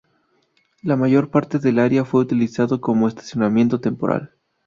La mayor parte del área fue utilizado como estacionamiento temporal.